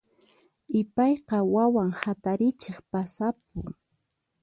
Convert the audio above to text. Ipayqa wawan hatarichiq pasapun.